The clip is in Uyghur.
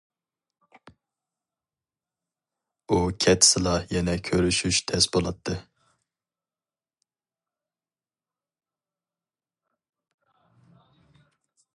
ئۇ كەتسىلا يەنە كۆرۈشۈش تەس بولاتتى.